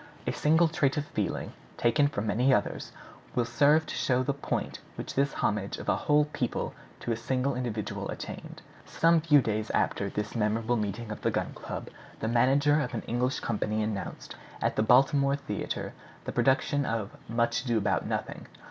A single trait of feeling, taken from many others, will serve to show the point which this homage of a whole people to a single individual attained. Some few days after this memorable meeting of the Gun Club, the manager of an English company announced, at the Baltimore theatre, the production of "Much ado about Nothing."